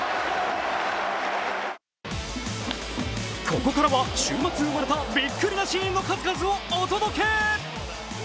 ここからは週末に生まれたビックリなシーンの数々をお届け。